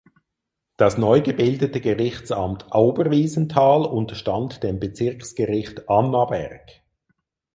Das neu gebildete Gerichtsamt Oberwiesenthal unterstand dem Bezirksgericht Annaberg.